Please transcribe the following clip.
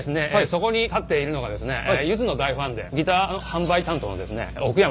そこに立っているのがですね「ゆず」の大ファンでギター販売担当のですね奥山。